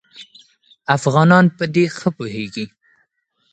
افغانان په دې ښه پوهېږي.